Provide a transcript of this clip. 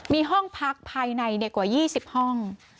มีห้องพักภายในกว่า๒๐ห้อง